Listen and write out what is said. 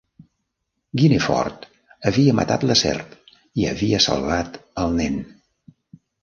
Guinefort havia matat la serp i havia salvat el nen.